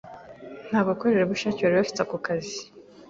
Nta bakorerabushake bari bafite ako kazi.